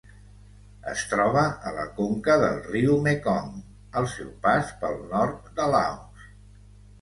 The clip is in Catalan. Es troba a la conca del riu Mekong al seu pas pel nord de Laos.